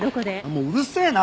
もううるせえな！